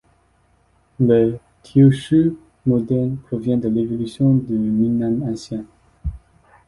Le teochew moderne provient de l'évolution du minnan ancien.